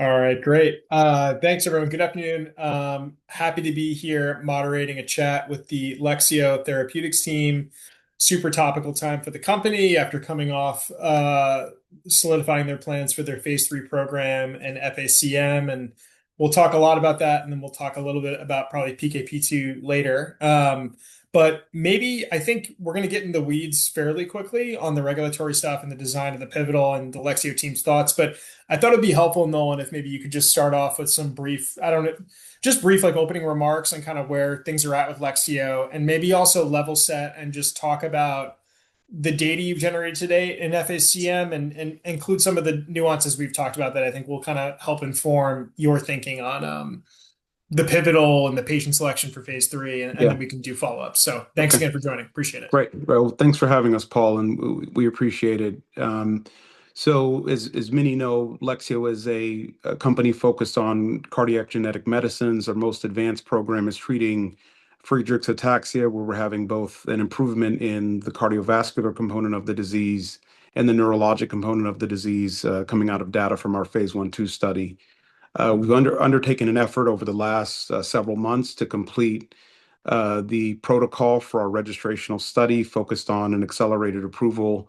All right, great. Thanks everyone. Good afternoon. Happy to be here moderating a chat with the Lexeo Therapeutics team. Super topical time for the company after coming off solidifying their plans for their phase III program and FACM, we'll talk a lot about that, then we'll talk a little bit about probably PKP2 later. Maybe, I think we're going to get in the weeds fairly quickly on the regulatory stuff and the design of the pivotal and the Lexeo team's thoughts. I thought it'd be helpful, Nolan, if maybe you could just start off with some just brief opening remarks on where things are at with Lexeo, and maybe also level set and just talk about the data you've generated to date in FACM, and include some of the nuances we've talked about that I think will help inform your thinking on the pivotal and the patient selection for phase III. Yeah. Then we can do follow-ups. Thanks again for joining. Appreciate it. Great. Well, thanks for having us, Paul, and we appreciate it. As many know, Lexeo is a company focused on cardiac genetic medicines. Our most advanced program is treating Friedreich's ataxia, where we're having both an improvement in the cardiovascular component of the disease and the neurologic component of the disease coming out of data from our phase I/II study. We've undertaken an effort over the last several months to complete the protocol for our registrational study focused on an accelerated approval.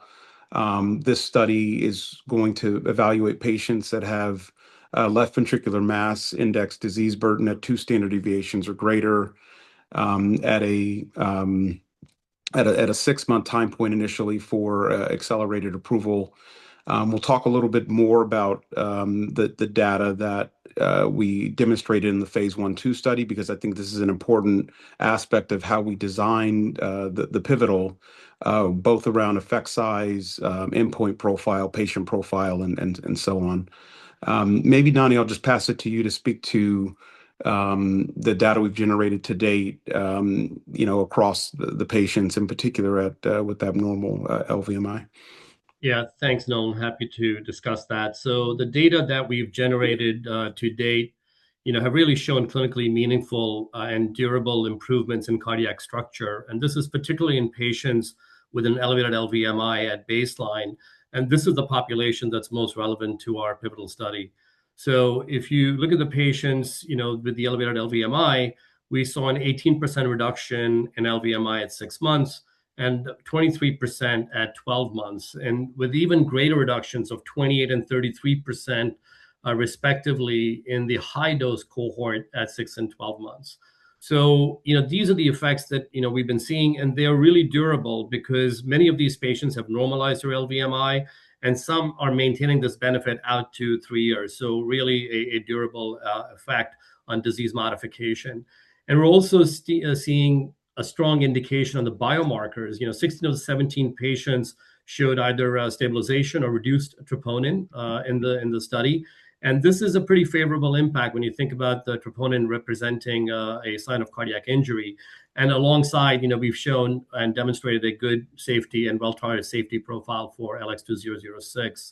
This study is going to evaluate patients that have left ventricular mass index disease burden at two standard deviations or greater at a six-month time point initially for accelerated approval. We'll talk a little bit more about the data that we demonstrated in the phase I/II study because I think this is an important aspect of how we designed the pivotal both around effect size, endpoint profile, patient profile, and so on. Maybe Nani, I'll just pass it to you to speak to the data we've generated to date across the patients, in particular with abnormal LVMI. Thanks, Nolan. Happy to discuss that. The data that we've generated to date have really shown clinically meaningful and durable improvements in cardiac structure, this is particularly in patients with an elevated LVMI at baseline, this is the population that's most relevant to our pivotal study. If you look at the patients with the elevated LVMI, we saw an 18% reduction in LVMI at six months, 23% at 12 months, with even greater reductions of 28% and 33% respectively in the high-dose cohort at six and 12 months. These are the effects that we've been seeing, they are really durable because many of these patients have normalized their LVMI, some are maintaining this benefit out to three years. Really a durable effect on disease modification. We're also seeing a strong indication on the biomarkers. 16 out of 17 patients showed either stabilization or reduced troponin in the study. This is a pretty favorable impact when you think about the troponin representing a sign of cardiac injury. Alongside, we've shown and demonstrated a good safety and well-tolerated safety profile for LX2006.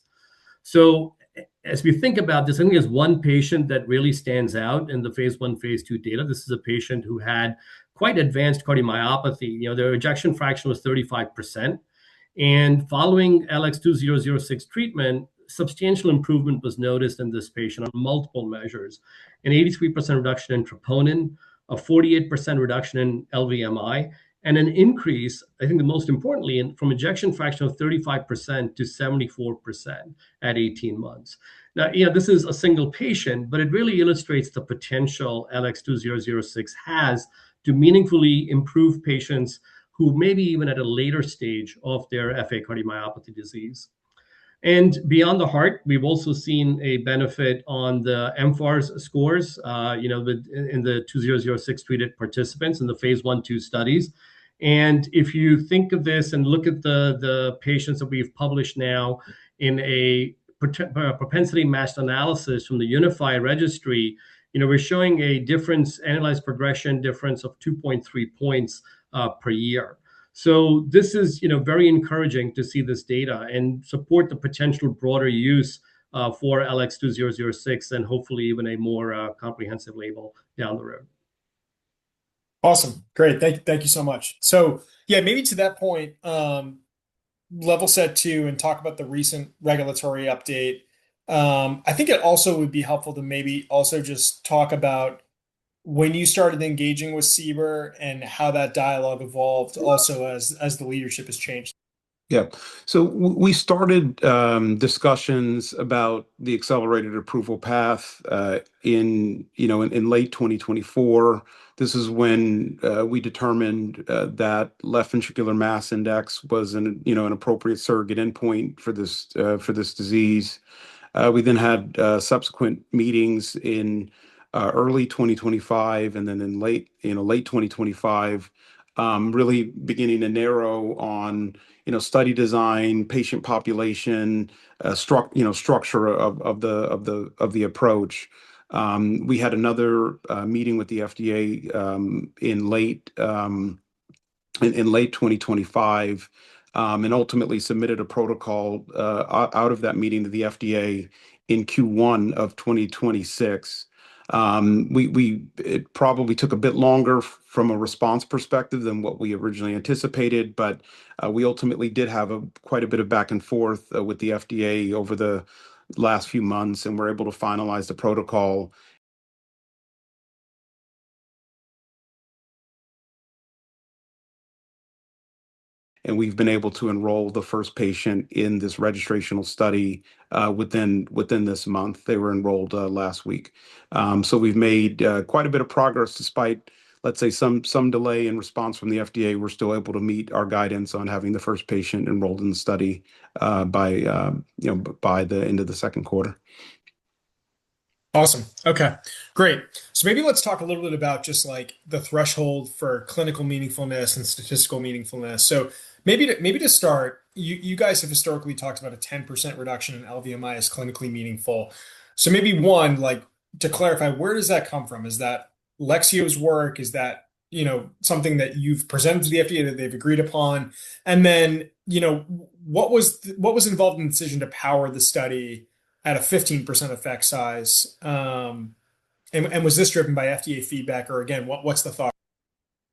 As we think about this, I think there's one patient that really stands out in the phase I, phase II data. This is a patient who had quite advanced cardiomyopathy. Their ejection fraction was 35%, following LX2006 treatment, substantial improvement was noticed in this patient on multiple measures. An 83% reduction in troponin, a 48% reduction in LVMI, an increase, I think most importantly, from ejection fraction of 35%-74% at 18 months. This is a single patient, but it really illustrates the potential LX2006 has to meaningfully improve patients who may be even at a later stage of their FA cardiomyopathy disease. Beyond the heart, we've also seen a benefit on the mFARS scores in the LX2006 treated participants in the phase I/II studies. If you think of this and look at the patients that we've published now in a propensity-matched analysis from the UNIFAI registry, we're showing a difference analyzed progression difference of 2.3 points per year. This is very encouraging to see this data and support the potential broader use for LX2006 and hopefully even a more comprehensive label down the road. Awesome. Great. Thank you so much. Yeah, maybe to that point, level set too, and talk about the recent regulatory update. I think it also would be helpful to maybe also just talk about when you started engaging with CBER and how that dialogue evolved also as the leadership has changed. We started discussions about the accelerated approval path in late 2024. This is when we determined that left ventricular mass index was an appropriate surrogate endpoint for this disease. We had subsequent meetings in early 2025, and then in late 2025, really beginning to narrow on study design, patient population, structure of the approach. We had another meeting with the FDA in late 2025, and ultimately submitted a protocol out of that meeting to the FDA in Q1 of 2026. It probably took a bit longer from a response perspective than what we originally anticipated, but we ultimately did have quite a bit of back and forth with the FDA over the last few months, and we're able to finalize the protocol. We've been able to enroll the first patient in this registrational study within this month. They were enrolled last week. We've made quite a bit of progress despite, let's say, some delay in response from the FDA. We're still able to meet our guidance on having the first patient enrolled in the study by the end of the second quarter. Awesome. Okay, great. Maybe let's talk a little bit about just the threshold for clinical meaningfulness and statistical meaningfulness. Maybe to start, you guys have historically talked about a 10% reduction in LVMI as clinically meaningful. Maybe one, to clarify, where does that come from? Is that Lexeo's work? Is that something that you've presented to the FDA that they've agreed upon? What was involved in the decision to power the study at a 15% effect size? Was this driven by FDA feedback? Or again, what's the thought?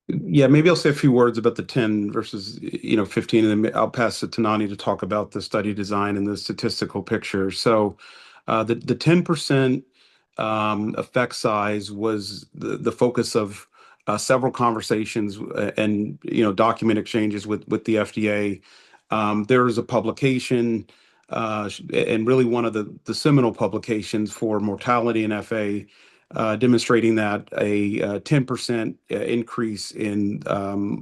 Yeah, maybe I'll say a few words about the 10 versus 15, and then I'll pass it to Nani to talk about the study design and the statistical picture. The 10% effect size was the focus of several conversations and document exchanges with the FDA. There is a publication, and really one of the seminal publications for mortality in FA, demonstrating that a 10% increase in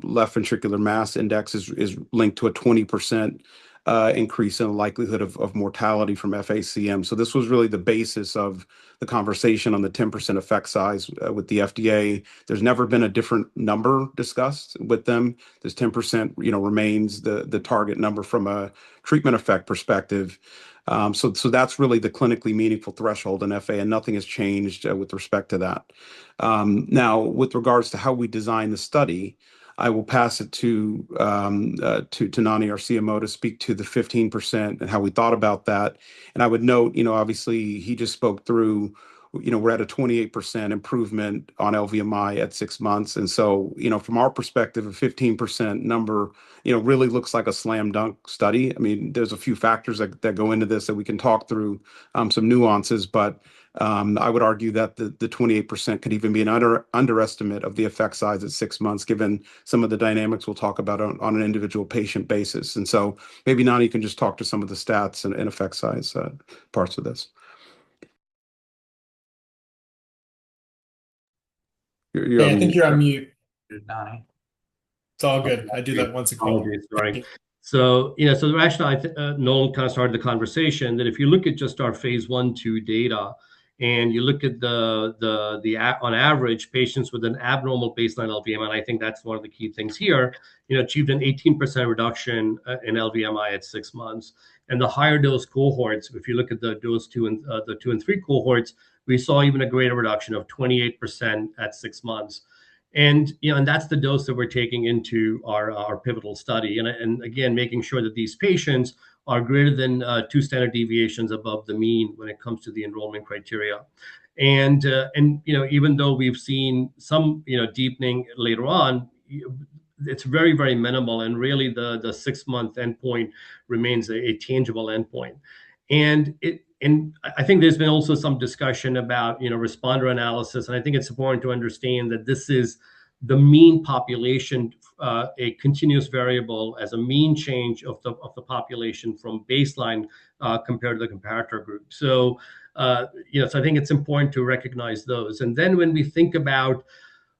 left ventricular mass index is linked to a 20% increase in the likelihood of mortality from FACM. This was really the basis of the conversation on the 10% effect size with the FDA. There's never been a different number discussed with them. This 10% remains the target number from a treatment effect perspective. That's really the clinically meaningful threshold in FA, and nothing has changed with respect to that. Now, with regards to how we design the study, I will pass it to Nani, our CMO, to speak to the 15% and how we thought about that. I would note, obviously he just spoke through, we're at a 28% improvement on LVMI at six months. From our perspective, a 15% number really looks like a slam dunk study. There's a few factors that go into this that we can talk through, some nuances, but I would argue that the 28% could even be an underestimate of the effect size at six months given some of the dynamics we'll talk about on an individual patient basis. Maybe, Nani, you can just talk to some of the stats and effect size parts of this. Yeah, I think you're on mute, Nani. It's all good. I do that once a call. The rationale Nolan kind of started the conversation that if you look at just our phase I/II data, and you look at on average, patients with an abnormal baseline LVMI, and I think that's one of the key things here, achieved an 18% reduction in LVMI at six months. The higher dose cohorts, if you look at the dose 2 and 3 cohorts, we saw even a greater reduction of 28% at six months. That's the dose that we're taking into our pivotal study and again, making sure that these patients are greater than 2 standard deviations above the mean when it comes to the enrollment criteria. Even though we've seen some deepening later on, it's very minimal and really the six-month endpoint remains a tangible endpoint. I think there's been also some discussion about responder analysis. I think it's important to understand that this is the mean population, a continuous variable as a mean change of the population from baseline, compared to the comparator group. I think it's important to recognize those. When we think about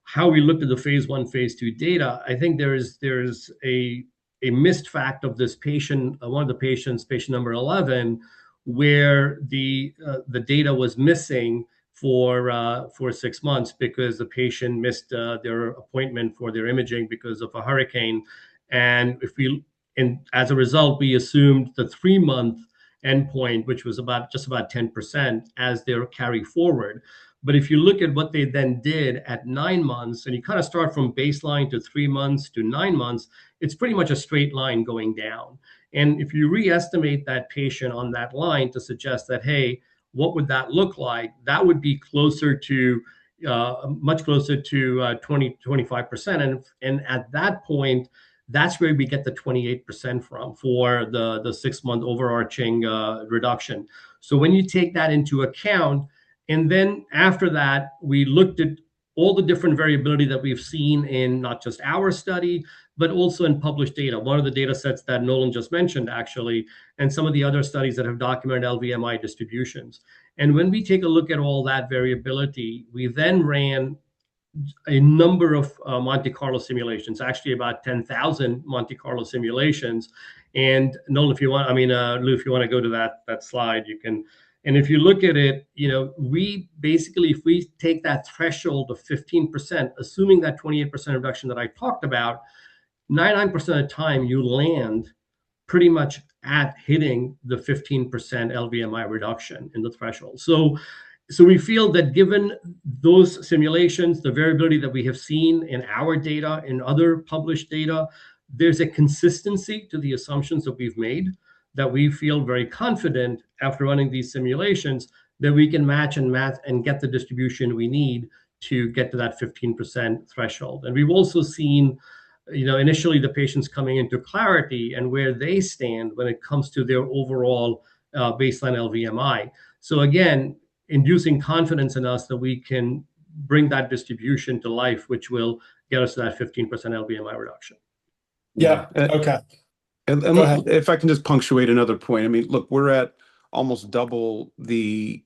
how we looked at the phase I, phase II data, I think there is a missed fact of this patient, one of the patients, patient number 11, where the data was missing for six months because the patient missed their appointment for their imaging because of a hurricane. As a result, we assumed the three-month endpoint, which was just about 10%, as their carry forward. If you look at what they then did at nine months, and you start from baseline to three months to nine months, it's pretty much a straight line going down. If you re-estimate that patient on that line to suggest that, "Hey, what would that look like?" That would be much closer to 20, 25%. At that point, that's where we get the 28% from for the six-month overarching reduction. When you take that into account, then after that, we looked at all the different variability that we've seen in not just our study, but also in published data. One of the data sets that Nolan just mentioned, actually, and some of the other studies that have documented LVMI distributions. When we take a look at all that variability, we then ran a number of Monte Carlo simulations, actually about 10,000 Monte Carlo simulations. Nolan, if you want, Lou, if you want to go to that slide, you can. If you look at it, basically if we take that threshold of 15%, assuming that 28% reduction that I talked about, 99% of the time you land pretty much at hitting the 15% LVMI reduction in the threshold. We feel that given those simulations, the variability that we have seen in our data, in other published data, there's a consistency to the assumptions that we've made that we feel very confident after running these simulations that we can match and math and get the distribution we need to get to that 15% threshold. We've also seen initially the patients coming into Clarity and where they stand when it comes to their overall baseline LVMI. Again inducing confidence in us that we can bring that distribution to life, which will get us to that 15% LVMI reduction. Yeah. Okay. Go ahead. If I can just punctuate another point. Look, we're at almost double the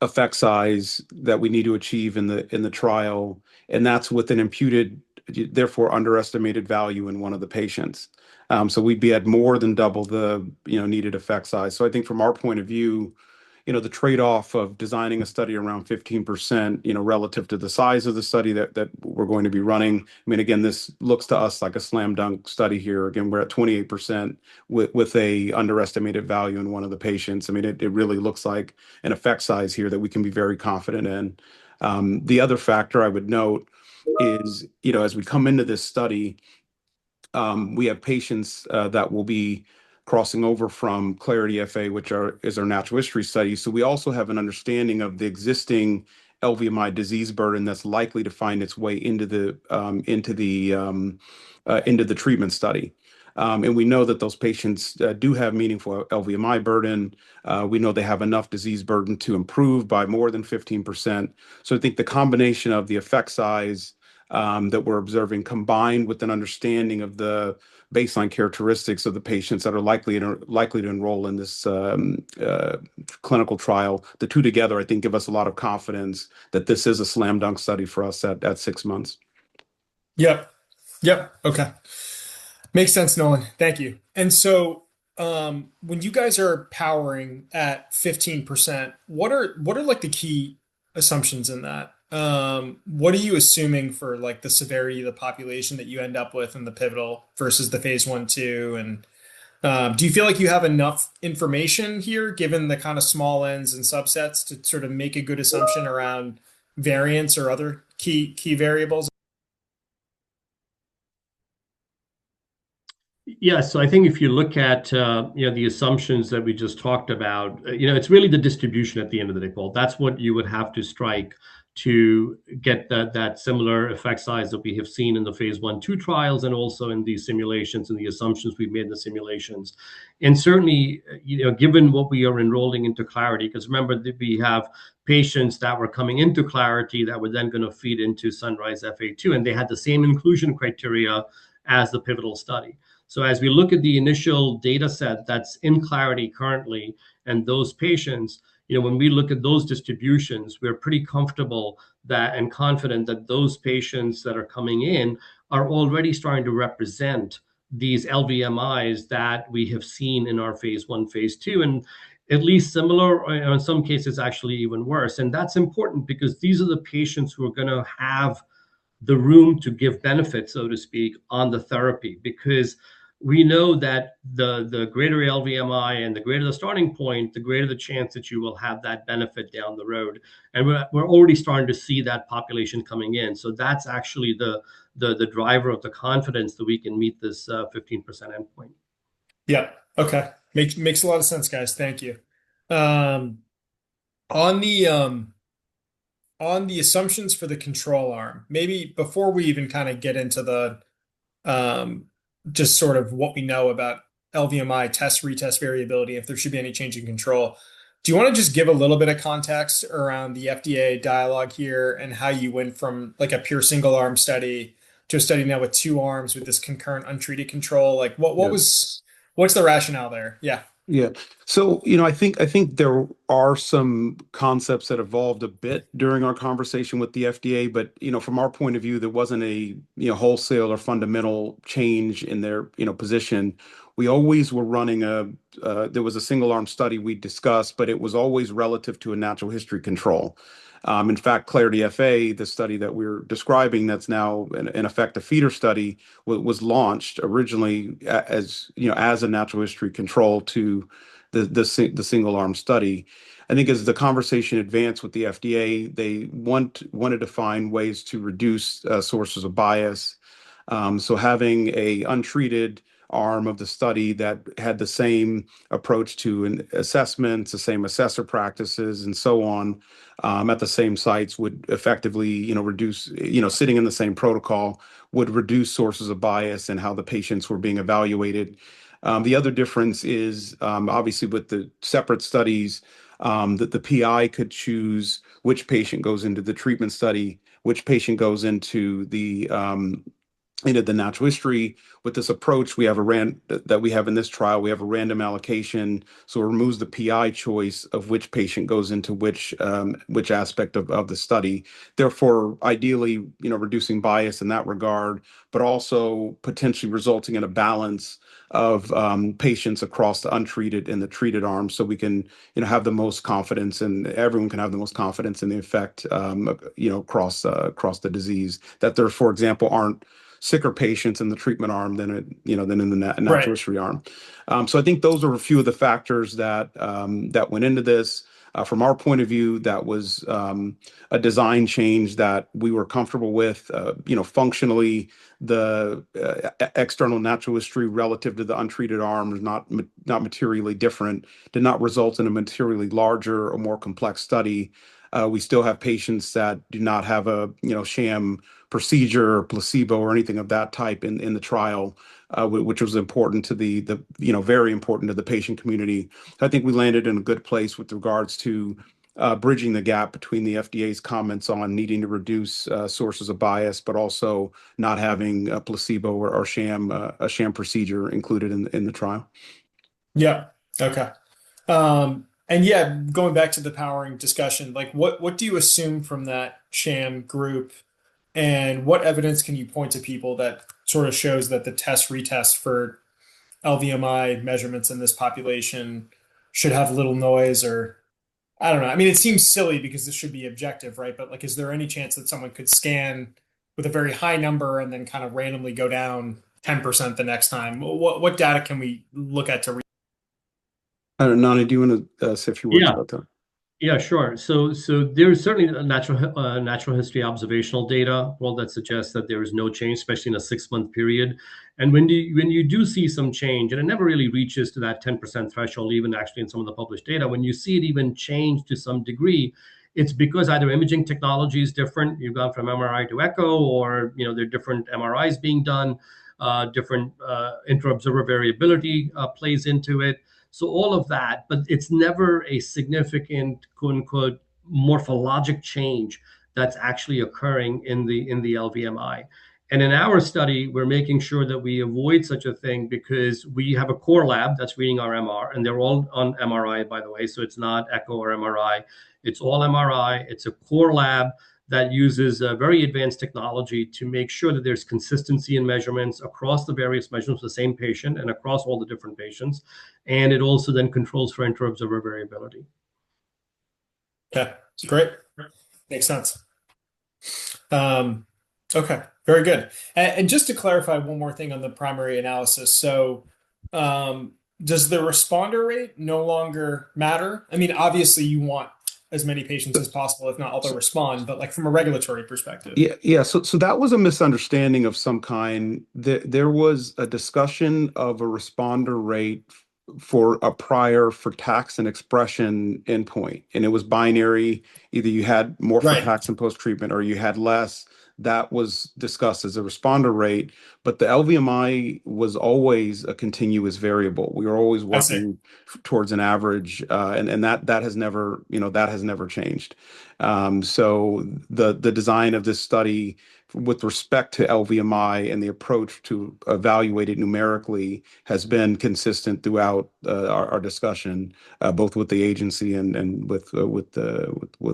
effect size that we need to achieve in the trial, and that's with an imputed, therefore underestimated value in one of the patients. We'd be at more than double the needed effect size. I think from our point of view, the trade-off of designing a study around 15%, relative to the size of the study that we're going to be running. Again, this looks to us like a slam dunk study here. Again, we're at 28% with a underestimated value in one of the patients. It really looks like an effect size here that we can be very confident in. The other factor I would note is, as we come into this study, we have patients that will be crossing over from CLARITY-FA, which is our natural history study. We also have an understanding of the existing LVMI disease burden that's likely to find its way into the treatment study. We know that those patients do have meaningful LVMI burden. We know they have enough disease burden to improve by more than 15%. I think the combination of the effect size that we're observing, combined with an understanding of the baseline characteristics of the patients that are likely to enroll in this clinical trial, the two together, I think give us a lot of confidence that this is a slam dunk study for us at 6 months. Yep. Okay. Makes sense, Nolan. Thank you. When you guys are powering at 15%, what are the key assumptions in that? What are you assuming for the severity of the population that you end up with in the pivotal versus the phase I/II, and do you feel like you have enough information here, given the kind of small Ns and subsets to sort of make a good assumption around variance or other key variables? Yeah. I think if you look at the assumptions that we just talked about, it's really the distribution at the end of the day, Paul. That's what you would have to strike to get that similar effect size that we have seen in the phase I, II trials, and also in these simulations and the assumptions we've made in the simulations. Certainly, given what we are enrolling into CLARITY, because remember that we have patients that were coming into CLARITY that were then going to feed into SUNRISE-FA, and they had the same inclusion criteria as the pivotal study. As we look at the initial data set that's in CLARITY currently, and those patients, when we look at those distributions, we're pretty comfortable and confident that those patients that are coming in are already starting to represent these LVMIs that we have seen in our phase I, phase II, and at least similar, or in some cases actually even worse. That's important because these are the patients who are going to have the room to give benefits, so to speak, on the therapy. We know that the greater LVMI and the greater the starting point, the greater the chance that you will have that benefit down the road. We're already starting to see that population coming in. That's actually the driver of the confidence that we can meet this 15% endpoint. Yeah. Okay. Makes a lot of sense, guys. Thank you. On the assumptions for the control arm, maybe before we even get into the just sort of what we know about LVMI test retest variability, if there should be any change in control, do you want to just give a little bit of context around the FDA dialogue here, and how you went from a pure single arm study to a study now with two arms with this concurrent untreated control? What's the rationale there? Yeah. Yeah. I think there are some concepts that evolved a bit during our conversation with the FDA. From our point of view, there wasn't a wholesale or fundamental change in their position. There was a single arm study we discussed, but it was always relative to a natural history control. In fact, CLARITY-FA, the study that we're describing that's now, in effect, a feeder study, was launched originally as a natural history control to the single-arm study. As the conversation advanced with the FDA, they wanted to find ways to reduce sources of bias. Having an untreated arm of the study that had the same approach to assessments, the same assessor practices, and so on, at the same sites would reduce sources of bias and how the patients were being evaluated. The other difference is, obviously with the separate studies, that the PI could choose which patient goes into the treatment study, which patient goes into the natural history. With this approach that we have in this trial, we have a random allocation, it removes the PI choice of which patient goes into which aspect of the study. Ideally, reducing bias in that regard, but also potentially resulting in a balance of patients across the untreated and the treated arms, so we can have the most confidence, and everyone can have the most confidence in the effect across the disease. That there, for example, aren't sicker patients in the treatment arm than in the natural history arm. Right. I think those are a few of the factors that went into this. From our point of view, that was a design change that we were comfortable with. Functionally, the external natural history relative to the untreated arm is not materially different, did not result in a materially larger or more complex study. We still have patients that do not have a sham procedure or placebo or anything of that type in the trial, which was very important to the patient community. I think we landed in a good place with regards to bridging the gap between the FDA's comments on needing to reduce sources of bias, but also not having a placebo or a sham procedure included in the trial. Yeah. Okay. Going back to the powering discussion, what do you assume from that Sham group, and what evidence can you point to people that sort of shows that the test-retest for LVMI measurements in this population should have little noise or I don't know. It seems silly because this should be objective, right? Is there any chance that someone could scan with a very high number and then kind of randomly go down 10% the next time? What data can we look at to Narinder, do you want to say a few words about that? There's certainly natural history observational data, Will, that suggests that there is no change, especially in a six-month period. When you do see some change, and it never really reaches to that 10% threshold, even actually in some of the published data, when you see it even change to some degree, it's because either imaging technology is different, you've gone from MRI to echo, or there are different MRIs being done, different inter-observer variability plays into it. All of that, but it's never a significant quote-unquote morphologic change that's actually occurring in the LVMI. In our study, we're making sure that we avoid such a thing because we have a core lab that's reading our MR, and they're all on MRI, by the way, so it's not echo or MRI. It's all MRI. It's a core lab that uses very advanced technology to make sure that there's consistency in measurements across the various measurements of the same patient and across all the different patients. It also then controls for inter-observer variability. Okay. Great. Makes sense. Okay. Very good. Just to clarify one more thing on the primary analysis. Does the responder rate no longer matter? Obviously, you want as many patients as possible, if not all to respond, but from a regulatory perspective. Yeah. That was a misunderstanding of some kind. There was a discussion of a responder rate for a prior frataxin expression endpoint, and it was binary. Either you had more- Right frataxin post-treatment, or you had less. That was discussed as a responder rate. The LVMI was always a continuous variable. I see towards an average, that has never changed. The design of this study with respect to LVMI and the approach to evaluate it numerically has been consistent throughout our discussion, both with the agency and with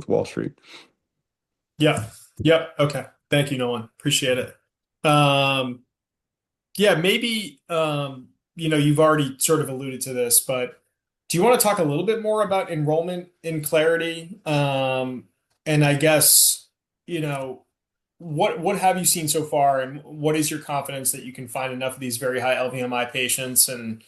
Wall Street. Yeah. Okay. Thank you, Nolan. Appreciate it. Yeah, maybe you've already sort of alluded to this, do you want to talk a little bit more about enrollment in Clarity? I guess, what have you seen so far, and what is your confidence that you can find enough of these very high LVMI patients and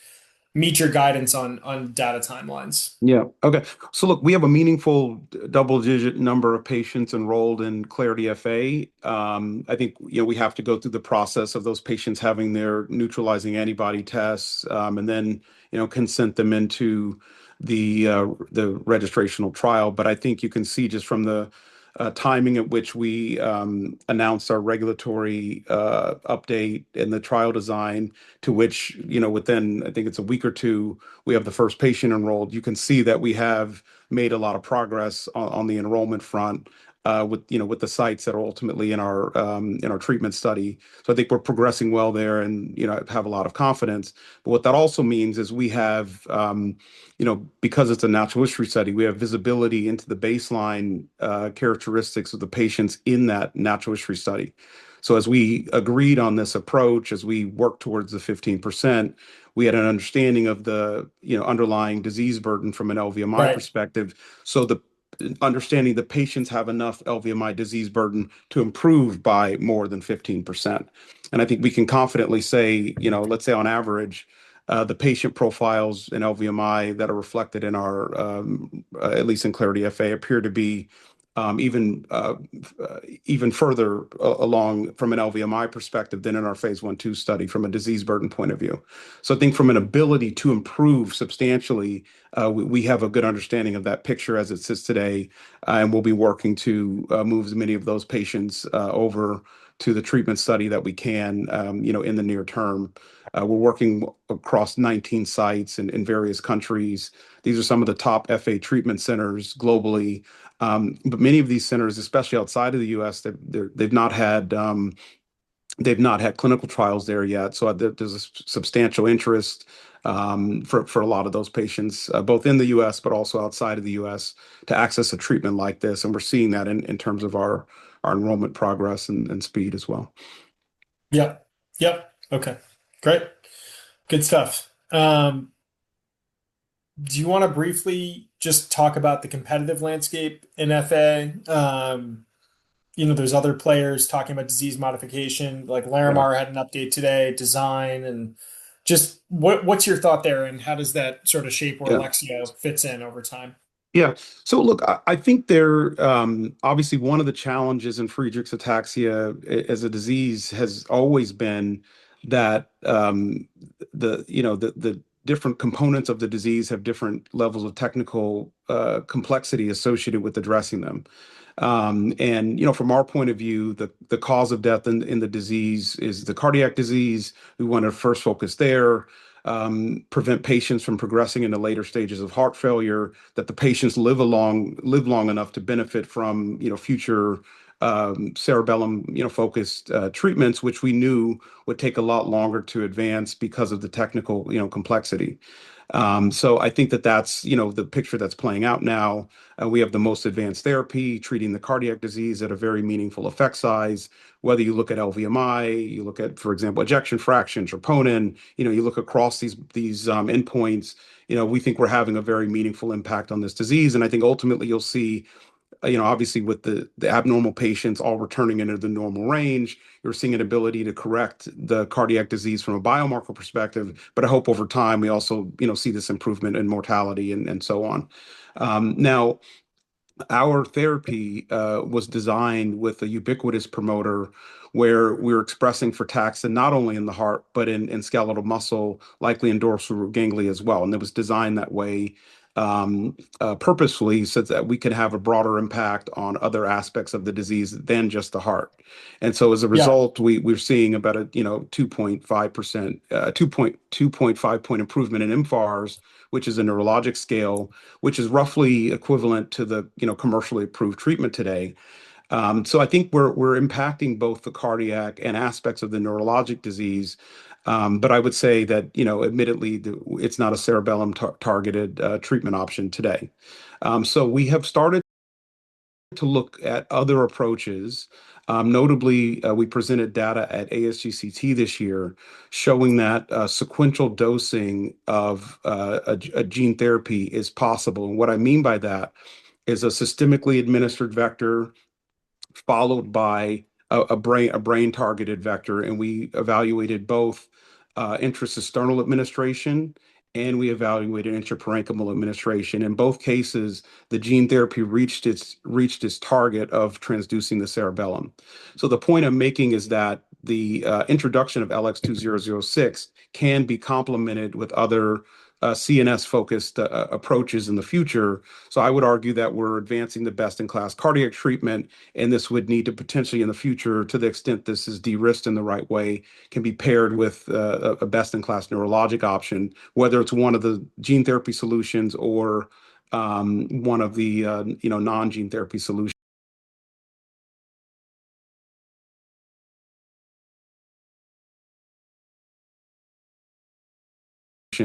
meet your guidance on data timelines? Yeah. Okay. Look, we have a meaningful double-digit number of patients enrolled in CLARITY-FA. I think we have to go through the process of those patients having their neutralizing antibody tests, and then consent them into the registrational trial. I think you can see just from the timing at which we announced our regulatory update and the trial design to which within, I think it's a week or two, we have the first patient enrolled. You can see that we have made a lot of progress on the enrollment front with the sites that are ultimately in our treatment study. I think we're progressing well there and have a lot of confidence. What that also means is we have, because it's a natural history study, we have visibility into the baseline characteristics of the patients in that natural history study. As we agreed on this approach, as we work towards the 15%, we had an understanding of the underlying disease burden from an LVMI perspective. Right. The understanding the patients have enough LVMI disease burden to improve by more than 15%. I think we can confidently say, let's say on average, the patient profiles in LVMI that are reflected in our, at least in CLARITY-FA, appear to be even further along from an LVMI perspective than in our phase I/II study from a disease burden point of view. I think from an ability to improve substantially, we have a good understanding of that picture as it sits today, and we'll be working to move as many of those patients over to the treatment study that we can in the near term. We're working across 19 sites in various countries. These are some of the top FA treatment centers globally. Many of these centers, especially outside of the U.S., they've not had clinical trials there yet. There's a substantial interest for a lot of those patients, both in the U.S. but also outside of the U.S., to access a treatment like this, and we're seeing that in terms of our enrollment progress and speed as well. Yeah. Okay. Great. Good stuff. Do you want to briefly just talk about the competitive landscape in FA? There's other players talking about disease modification, like- Yeah Larimar had an update today, design, and just what's your thought there, and how does that sort of shape where- Yeah Lexeo fits in over time? Yeah. Look, I think obviously, one of the challenges in Friedreich's ataxia as a disease has always been that the different components of the disease have different levels of technical complexity associated with addressing them. From our point of view, the cause of death in the disease is the cardiac disease. We want to first focus there, prevent patients from progressing into later stages of heart failure, that the patients live long enough to benefit from future cerebellum-focused treatments, which we knew would take a lot longer to advance because of the technical complexity. I think that that's the picture that's playing out now. We have the most advanced therapy, treating the cardiac disease at a very meaningful effect size. Whether you look at LVMI, you look at, for example, ejection fraction troponin, you look across these endpoints, we think we're having a very meaningful impact on this disease. I think ultimately you'll see, obviously with the abnormal patients all returning into the normal range, you're seeing an ability to correct the cardiac disease from a biomarker perspective. I hope over time we also see this improvement in mortality and so on. Our therapy was designed with a ubiquitous promoter where we're expressing frataxin not only in the heart but in skeletal muscle, likely in dorsal root ganglia as well, and it was designed that way purposefully so that we could have a broader impact on other aspects of the disease than just the heart. As a result- Yeah we're seeing about a 2.5 point improvement in mFARS, which is a neurologic scale, which is roughly equivalent to the commercially approved treatment today. I think we're impacting both the cardiac and aspects of the neurologic disease. I would say that admittedly, it's not a cerebellum-targeted treatment option today. We have started to look at other approaches. Notably, we presented data at ASGCT this year showing that sequential dosing of a gene therapy is possible. What I mean by that is a systemically administered vector followed by a brain-targeted vector, and we evaluated both intracisternal administration and we evaluated intraparenchymal administration. In both cases, the gene therapy reached its target of transducing the cerebellum. The point I'm making is that the introduction of LX2006 can be complemented with other CNS-focused approaches in the future. I would argue that we're advancing the best-in-class cardiac treatment, and this would need to potentially in the future, to the extent this is de-risked in the right way, can be paired with a best-in-class neurologic option, whether it's one of the gene therapy solutions or one of the non-gene therapy solutions.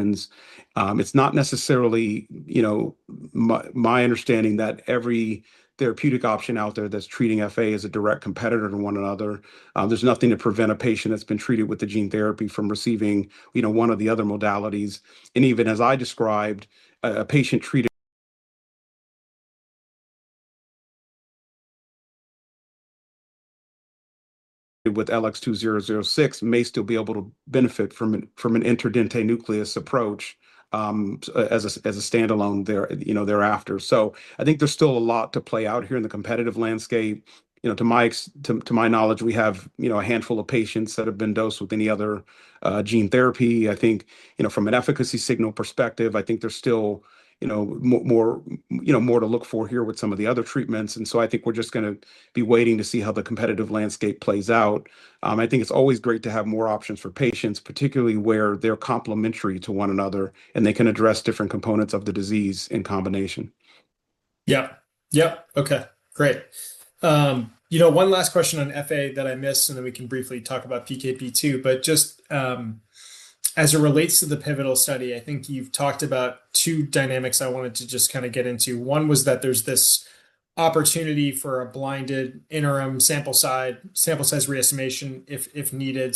It's not necessarily my understanding that every therapeutic option out there that's treating FA is a direct competitor to one another. There's nothing to prevent a patient that's been treated with the gene therapy from receiving one of the other modalities. Even as I described, a patient treated with LX2006 may still be able to benefit from a dentate nucleus approach as a standalone thereafter. I think there's still a lot to play out here in the competitive landscape. To my knowledge, we have a handful of patients that have been dosed with any other gene therapy. I think from an efficacy signal perspective, I think there's still more to look for here with some of the other treatments. I think we're just going to be waiting to see how the competitive landscape plays out. I think it's always great to have more options for patients, particularly where they're complementary to one another, and they can address different components of the disease in combination. Yeah. Okay, great. One last question on FA that I missed, then we can briefly talk about PKP2, but just as it relates to the pivotal study, I think you've talked about two dynamics I wanted to just kind of get into. One was that there's this opportunity for a blinded interim sample size re-estimation if needed.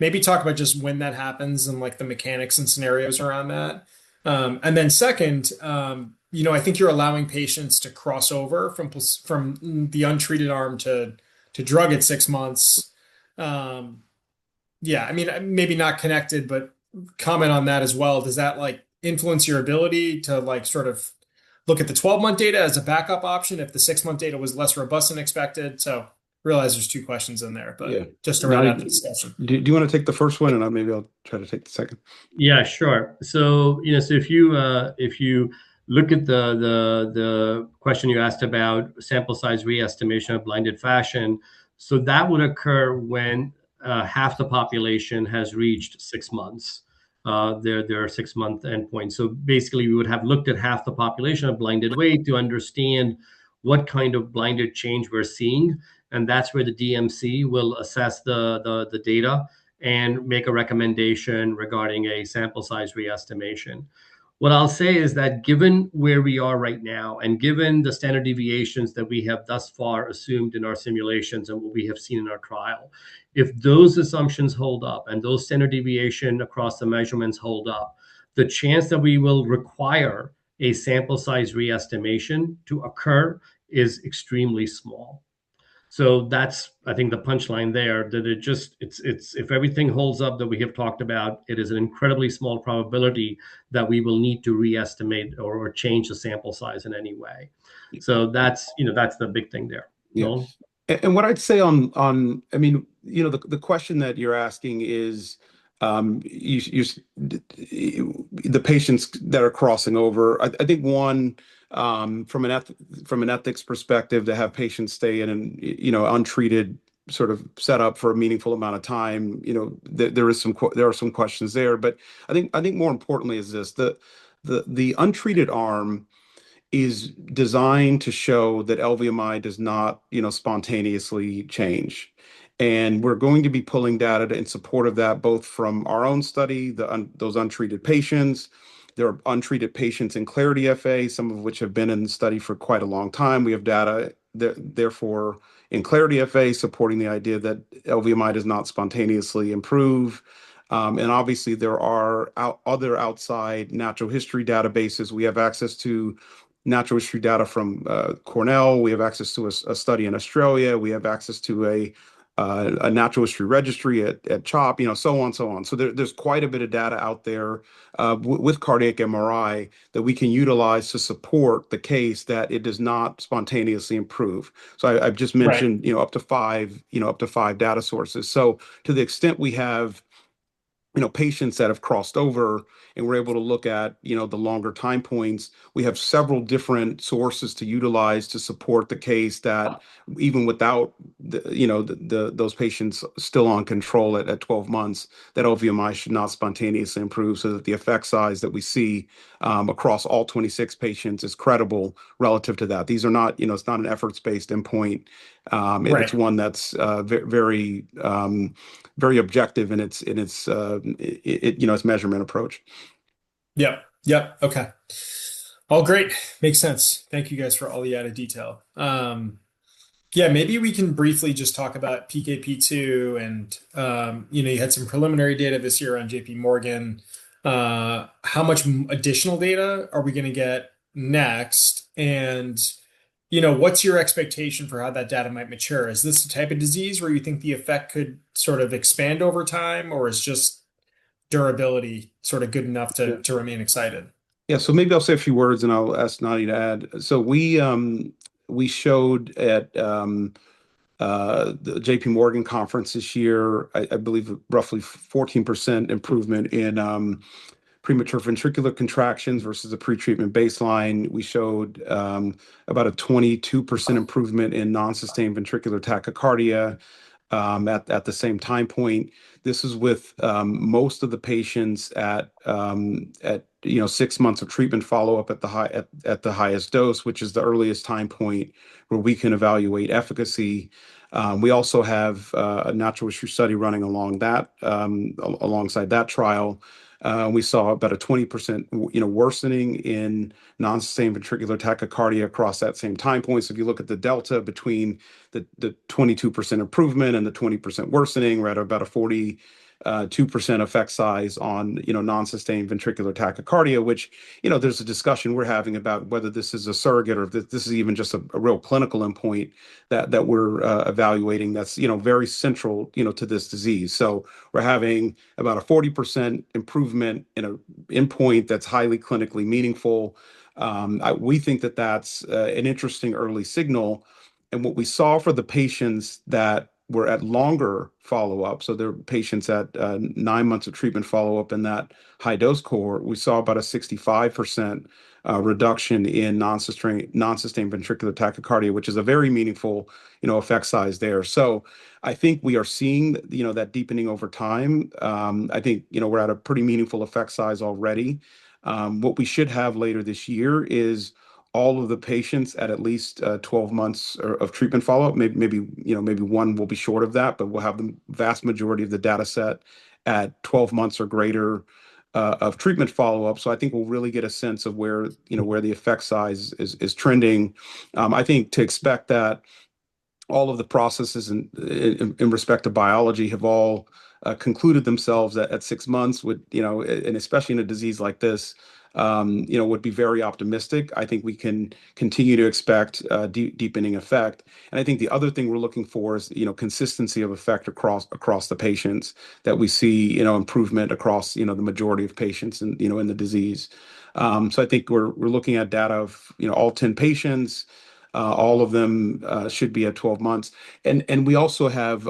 Maybe talk about just when that happens and the mechanics and scenarios around that. Second, I think you're allowing patients to cross over from the untreated arm to drug at six months. Yeah, maybe not connected, but comment on that as well. Does that influence your ability to look at the 12-month data as a backup option if the six-month data was less robust than expected? Realize there's two questions in there. Yeah Just to round out this discussion. Do you want to take the first one, and maybe I'll try to take the second? Yeah, sure. If you look at the question you asked about sample size re-estimation of blinded fashion, that would occur when half the population has reached six months, their six-month endpoint. Basically we would have looked at half the population of blinded weight to understand what kind of blinded change we're seeing, and that's where the DMC will assess the data and make a recommendation regarding a sample size re-estimation. What I'll say is that given where we are right now and given the standard deviations that we have thus far assumed in our simulations and what we have seen in our trial, if those assumptions hold up and those standard deviation across the measurements hold up, the chance that we will require a sample size re-estimation to occur is extremely small. That's, I think, the punchline there, that if everything holds up that we have talked about, it is an incredibly small probability that we will need to re-estimate or change the sample size in any way. That's the big thing there. What I'd say on the question that you're asking is the patients that are crossing over, I think one, from an ethics perspective, to have patients stay in an untreated sort of set up for a meaningful amount of time. There are some questions there. More importantly is this. The untreated arm is designed to show that LVMI does not spontaneously change. We're going to be pulling data in support of that, both from our own study, those untreated patients. There are untreated patients in CLARITY-FA, some of which have been in the study for quite a long time. We have data, therefore, in CLARITY-FA supporting the idea that LVMI does not spontaneously improve. Obviously, there are other outside natural history databases. We have access to natural history data from Cornell. We have access to a study in Australia. We have access to a natural history registry at CHOP, so on. There's quite a bit of data out there with cardiac MRI that we can utilize to support the case that it does not spontaneously improve. I've just mentioned. Right Up to five data sources. To the extent we have patients that have crossed over and we're able to look at the longer time points, we have several different sources to utilize to support the case that even without those patients still on control at 12 months, that LVMI should not spontaneously improve so that the effect size that we see across all 26 patients is credible relative to that. It's not an efforts-based endpoint. Right. It's one that's very objective in its measurement approach. Yep. Okay. All great. Makes sense. Thank you guys for all the added detail. Yeah, maybe we can briefly just talk about PKP2 and you had some preliminary data this year on JP Morgan. How much additional data are we going to get next? What's your expectation for how that data might mature? Is this the type of disease where you think the effect could sort of expand over time, or is just durability sort of good enough to remain excited? Yeah. Maybe I'll say a few words and I'll ask Narinder to add. We showed at the JP Morgan conference this year, I believe, roughly 14% improvement in premature ventricular contractions versus a pre-treatment baseline. We showed about a 22% improvement in non-sustained ventricular tachycardia at the same time point. This is with most of the patients at six months of treatment follow-up at the highest dose, which is the earliest time point where we can evaluate efficacy. We also have a natural history study running alongside that trial. We saw about a 20% worsening in non-sustained ventricular tachycardia across that same time point. If you look at the delta between the 22% improvement and the 20% worsening, we're at about a 42% effect size on non-sustained ventricular tachycardia, which there's a discussion we're having about whether this is a surrogate or if this is even just a real clinical endpoint that we're evaluating that's very central to this disease. We're having about a 40% improvement in an endpoint that's highly clinically meaningful. We think that that's an interesting early signal. What we saw for the patients that were at longer follow-ups, so they're patients at nine months of treatment follow-up in that high-dose cohort, we saw about a 65% reduction in non-sustained ventricular tachycardia, which is a very meaningful effect size there. I think we are seeing that deepening over time. I think we're at a pretty meaningful effect size already. What we should have later this year is all of the patients at least 12 months of treatment follow-up. Maybe one will be short of that, but we'll have the vast majority of the dataset at 12 months or greater of treatment follow-up. I think we'll really get a sense of where the effect size is trending. I think to expect that all of the processes in respect to biology have all concluded themselves at six months would, and especially in a disease like this, would be very optimistic. I think we can continue to expect a deepening effect. I think the other thing we're looking for is consistency of effect across the patients, that we see improvement across the majority of patients in the disease. I think we're looking at data of all 10 patients. All of them should be at 12 months. We also have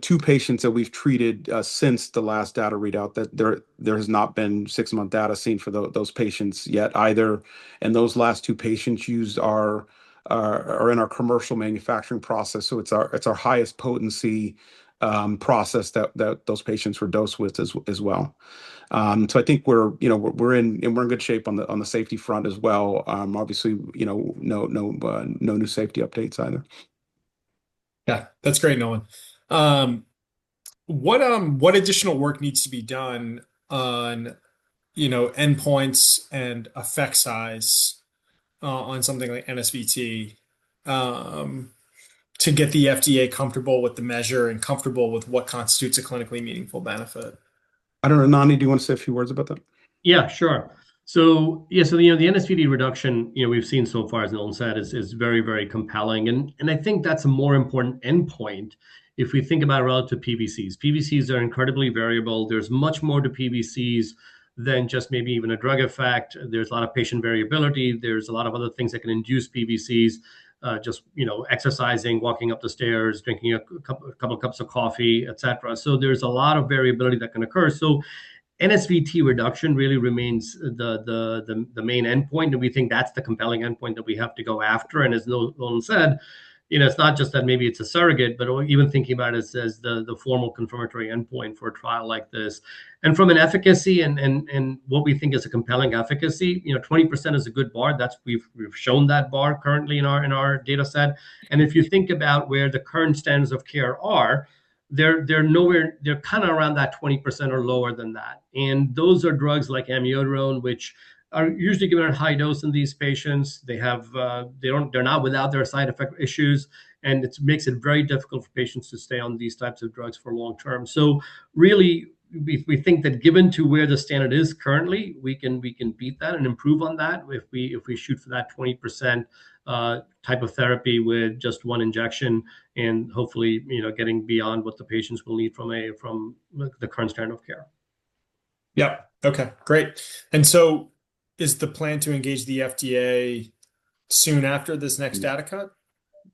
two patients that we've treated since the last data readout. There has not been six-month data seen for those patients yet either, and those last two patients are in our commercial manufacturing process. It's our highest potency process that those patients were dosed with as well. I think we're in good shape on the safety front as well. Obviously, no new safety updates either. Yeah. That's great, Nolan. What additional work needs to be done on endpoints and effect size on something like NSVT to get the FDA comfortable with the measure and comfortable with what constitutes a clinically meaningful benefit? I don't know, Nani, do you want to say a few words about that? Yeah, sure. The NSVT reduction we've seen so far, as Nolan said, is very compelling, and I think that's a more important endpoint if we think about it relative to PVCs. PVCs are incredibly variable. There's much more to PVCs than just maybe even a drug effect. There's a lot of patient variability. There's a lot of other things that can induce PVCs, just exercising, walking up the stairs, drinking a couple of cups of coffee, et cetera. There's a lot of variability that can occur. NSVT reduction really remains the main endpoint, and we think that's the compelling endpoint that we have to go after. As Nolan said, it's not just that maybe it's a surrogate, but even thinking about it as the formal confirmatory endpoint for a trial like this. From an efficacy and what we think is a compelling efficacy, 20% is a good bar. We've shown that bar currently in our data set. If you think about where the current standards of care are, they're kind of around that 20% or lower than that. Those are drugs like amiodarone, which are usually given at a high dose in these patients. They're not without their side effect issues, and it makes it very difficult for patients to stay on these types of drugs for long-term. We think that given to where the standard is currently, we can beat that and improve on that if we shoot for that 20% type of therapy with just one injection and hopefully, getting beyond what the patients will need from the current standard of care. Yeah. Okay, great. Is the plan to engage the FDA soon after this next data cut?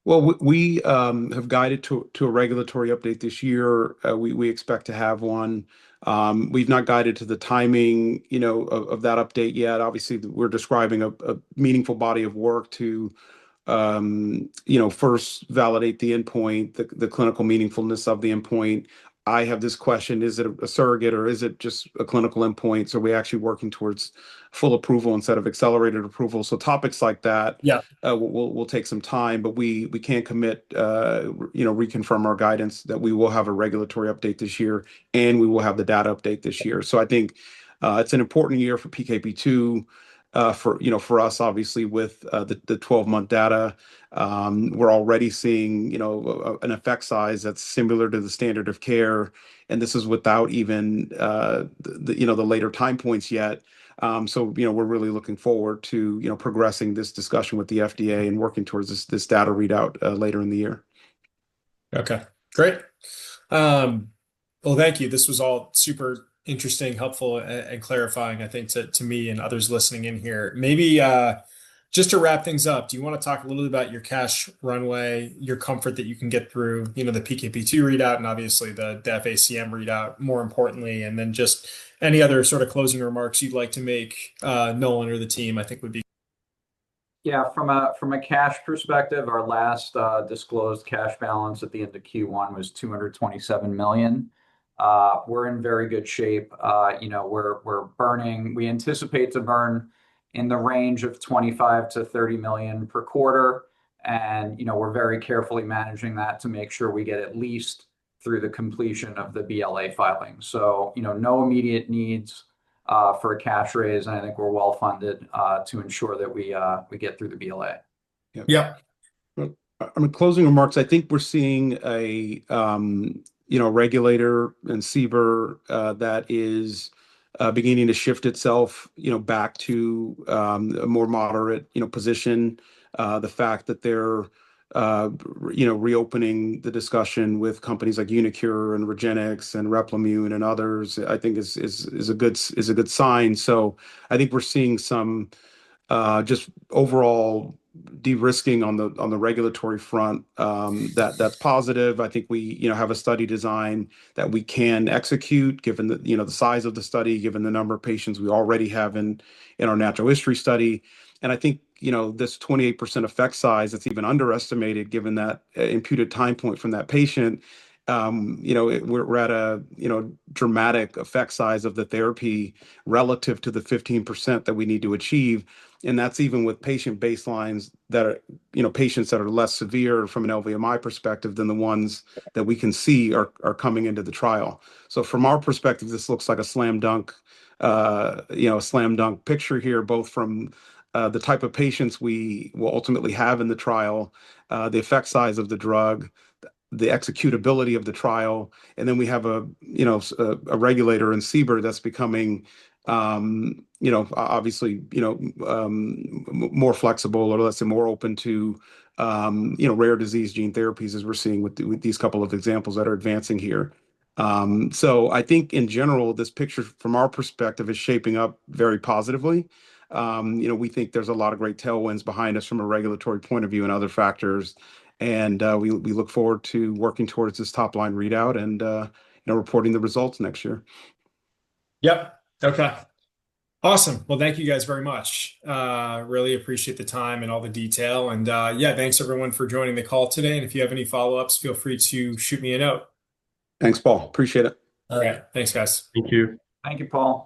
Well, we have guided to a regulatory update this year. We expect to have one. We've not guided to the timing of that update yet. Obviously, we're describing a meaningful body of work to first validate the endpoint, the clinical meaningfulness of the endpoint. I have this question, is it a surrogate or is it just a clinical endpoint, so we're actually working towards full approval instead of accelerated approval? Topics like that. Yeah will take some time, but we can commit, reconfirm our guidance that we will have a regulatory update this year, and we will have the data update this year. It's an important year for PKP2 for us, obviously, with the 12-month data. We're already seeing an effect size that's similar to the standard of care, and this is without even the later time points yet. We're really looking forward to progressing this discussion with the FDA and working towards this data readout later in the year. Okay, great. Well, thank you. This was all super interesting, helpful, and clarifying, to me and others listening in here. Maybe just to wrap things up, do you want to talk a little bit about your cash runway, your comfort that you can get through the PKP2 readout, and obviously the FACM readout, more importantly, and then just any other sort of closing remarks you'd like to make, Nolan or the team, would be- From a cash perspective, our last disclosed cash balance at the end of Q1 was $227 million. We're in very good shape. We anticipate to burn in the range of $25 million-$30 million per quarter, and we're very carefully managing that to make sure we get at least through the completion of the BLA filing. No immediate needs for a cash raise, and we're well-funded to ensure that we get through the BLA. Yeah. I mean, closing remarks, we're seeing a regulator in CBER that is beginning to shift itself back to a more moderate position. The fact that they're reopening the discussion with companies like uniQure and REGENXBIO and Replimune and others, is a good sign. We're seeing some just overall de-risking on the regulatory front that's positive. We have a study design that we can execute given the size of the study, given the number of patients we already have in our natural history study. I think this 28% effect size that's even underestimated given that imputed time point from that patient, we're at a dramatic effect size of the therapy relative to the 15% that we need to achieve, and that's even with patient baselines that are patients that are less severe from an LVMI perspective than the ones that we can see are coming into the trial. From our perspective, this looks like a slam dunk picture here, both from the type of patients we will ultimately have in the trial, the effect size of the drug, the executability of the trial, and then we have a regulator in CBER that's becoming obviously more flexible or let's say more open to rare disease gene therapies, as we're seeing with these couple of examples that are advancing here. I think in general, this picture from our perspective is shaping up very positively. We think there's a lot of great tailwinds behind us from a regulatory point of view and other factors, and we look forward to working towards this top-line readout and reporting the results next year. Yep. Okay. Awesome. Thank you guys very much. Really appreciate the time and all the detail. Yeah, thanks everyone for joining the call today. If you have any follow-ups, feel free to shoot me a note. Thanks, Paul. Appreciate it. Okay. Thanks, guys. Thank you. Thank you, Paul.